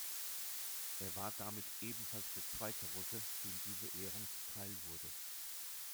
Er war damit ebenfalls der zweite Russe, dem diese Ehrung zuteilwurde.